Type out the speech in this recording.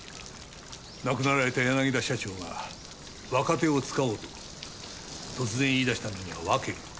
亡くなられた柳田社長が若手を使おうと突然言い出したのには訳が。